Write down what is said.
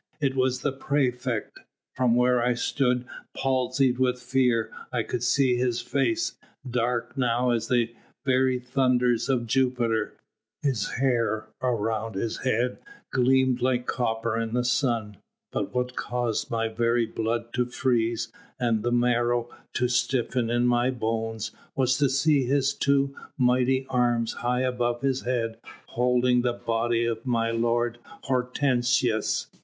It was the praefect. From where I stood, palsied with fear, I could see his face, dark now as the very thunders of Jupiter, his hair around his head gleamed like copper in the sun; but what caused my very blood to freeze and the marrow to stiffen in my bones, was to see his two mighty arms high above his head holding the body of my lord Hortensius.